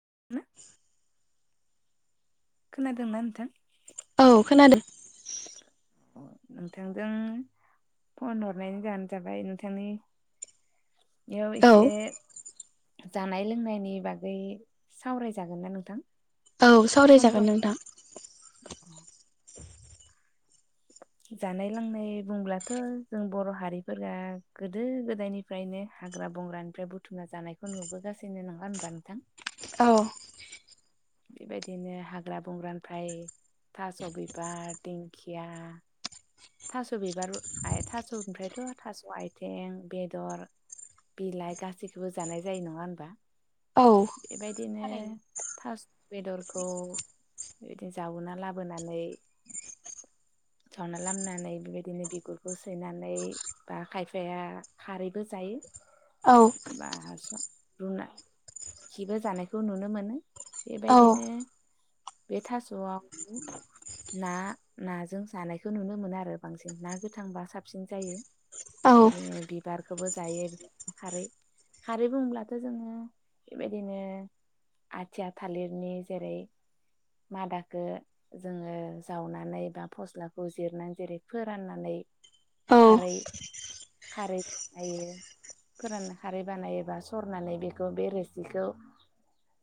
[unintelligible] खोनादोंना नोंथां खोनादो नोंथांजों फन हरनायनि जाहोन जाबाय नोंथांनि नियाव औ एसे जानाय लोंनायनि बागै सावरायजागोन ना नोंथां औ सम सावरायजागोन दं नोंथां जानाय लोंनाय बुंब्लाथ जों बर हारिफोरा गोदो गोदायनिफ्रायनो हाग्रा बंग्रानिफ्राय बुथुमना जानायखौ नुबोगासिनो नङा होमबा नोंथां औ बेबायदिनो हाग्रा बंग्रानिफ्राय थास बिबार दिंखिया थासबिबार [unintelligible] थास आयथें बेदर बिलाइ गासिखोबो जानाय जायो नङा होमबा औ बेबायदिनो थारैनो थास बेदरखौ बिदि जावना लाबोनानै [unintelligible] [unintelligible] बेबायदिनो बिगुरखौ सैनानै बा खायफाया खारैबो जायो औ बा [unintelligible] रुना [unintelligible] जानायखौ नुनो मोनो औ बेबायदिनो बे थासआ ना नाजों जानाय खौ नुनो मोनो आरो बांसिन ना गोथांबा साबसिन जायो औ बेबायदिनो बिबारखौबो जायो खारै-खारै बुंब्लाथ जोङो बेबायदिनो आथिया थालिरनि जेरै मादाखो जोङो जावनानै बा फस्ला खौ जिरनानै जेरै फोराननानै औ खारै-खारै बानायो फोरानना खारै बानायो बा सरनानै बेखौ बे रोसिखौ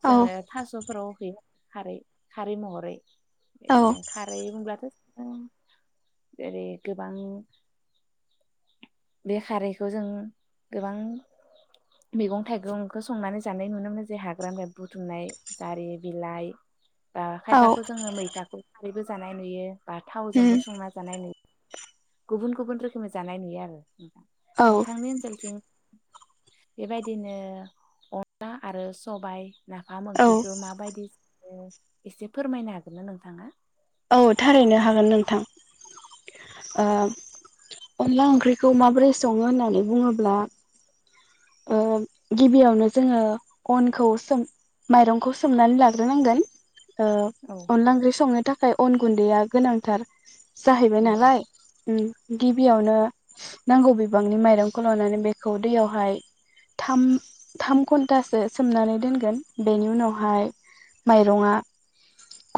जोङो औ थासफोराव होयो खारै-खारै महरै औ बिदिनो खारै होनब्लाथ जेरै गोबां बे खारैखौ जों गोबां मैगं थाइगंखो संनानै जानाय नुनो मोनो [unintelligible] हाग्रानिफ्राय बुथुमनाय जारि बिलाइ बा औ खायफाखौ जोङो मैथाखौ खारैबो जानाय नुयो बा उम [unintelligible] संना जानाय नुयो गुबुन गुबुन रोखोमै जानाय नुयो आरो औ नोंथांनि ओनसोलथिं बेबायदिनो अनला आरो सबाय नाफाम औ ओंख्रिखौ औ माबायदि [unintelligible] एसे फोरमायनो हागोन ना नोंथाङा औ थारैनो हागोन नोंथां ओ अनला ओंख्रिखौ माबोरै सङो होननानै बुङोब्ला ओ गिबियावनो जोङो अनखौ सोम माइरंखौ सोमनानै लाग्रोनांगोन ओ औ अनला ओंख्रि संनो थाखाय अन गुन्दैआ गोनांथार जाहैबाय नंगौ नालाय उम गिबियावनो नांगौ बिबांनि माइरंखौ लानानै बेखौ दैयावहाय थाम थाम घन्टासो सोमनानै दोनगोन बेनि उनावहाय माइरं आ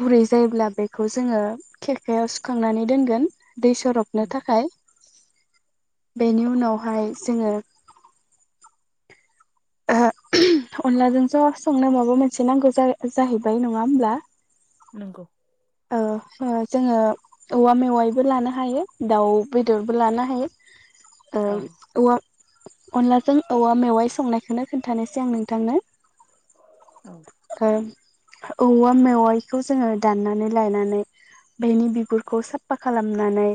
गुरै जायोब्ला बेखौ जोङो खेरखायाव सुखांनानै दोनगोन दै सरबनो नंगौ थाखाय बेनि उनावहाय जोङो अनलाजों ज संनो माबा मोनसे नांगौ जा-जाहैबाय नङा होमब्ला नंगौ ओ [unintelligible] औवा मेवाइबो लानो हायो दाउ बेदरबो लानो हायो औ ओम औवा अनलाजों औवा मेवाइ संनायखौनो खिन्थानोसै आं नोंथांनो। औ ओं औवा मेवाइखौ जोङो दाननानै लायनानै बेनि बिगुरखौ साफा खालामनानै।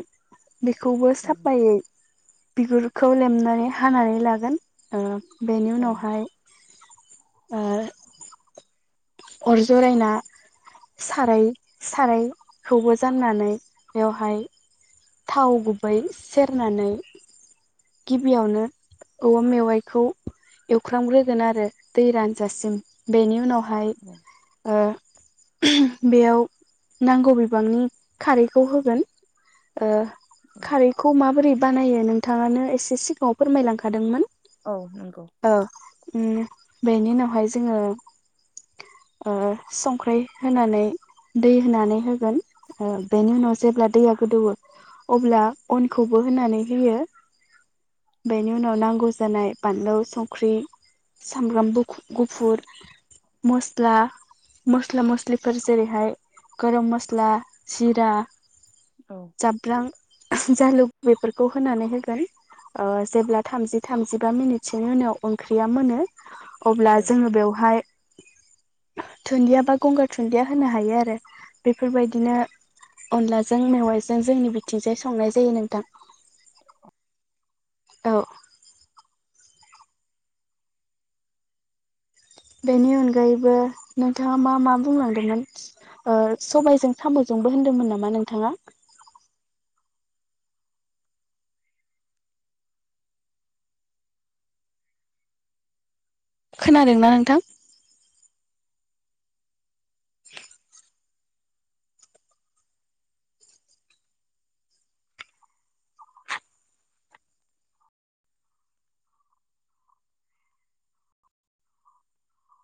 बेखौबो औ साफायै। बिगुरखौ लेमनानै हानानै लागोन बेनि औ उनावहाय ओ अर जरायना साराय सारायखौबो जाननानै बेवहाय थाव गुबै सेरनानै गिबियावनो औवा मेवाइखौ एवख्रामग्रोगोन आरो दै रानजासिम बेनि उनावहाय ओमफ्राय औ ओ बेयाव नांगौ बिबांनि खारैखौ होगोन। ओ खारैखौ माबोरै बानायो नोंथाङानो एसे सिगाङाव फोरमायलांखादोंमोन। औ नंगौ, औ उम बेनि उनावहाय जोङो ओ संख्रि होनानै दै होनानै होगोन बेनि उनाव जेब्ला दैया गोदौवो अब्ला अनखौबो होनानै होयो बेनि उनाव नांगौ जानाय बानलु संख्रि सामब्राम गुफुर मस्ला-मस्ला मस्लिफोर जेरैहाय गरम मस्ला जिरा औ जाब्रां जालुक बेफोरखौ होनानै होगोन ओ जेब्ला थामजि थामजिबा मिनिटसोनि उनाव ओंख्रिया मोनो। अब्ला औ जोङो बेवहाय दुनन्दिया बा गंगार दुनन्दिया होनो हायो आरो। बेफोरबायदिनो नंगौ अनलाजों मेवाइजों जोंनि बिथिंजाय संनाय जायो नोंथां। औ बेनि अनगायैबो नोंथाङा मा मा बुंलांदोंमोन ओ सबायजों साम'जोंबो होनदोंमोन नामा नोंथाङा? खोनादोंना नोंथां?